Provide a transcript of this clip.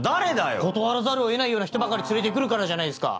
断らざるを得ないような人ばかり連れてくるからじゃないですか！